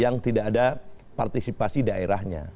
yang tidak ada partisipasi daerahnya